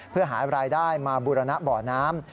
เพื่อหารายได้มาบูรณะบ่อน้ำ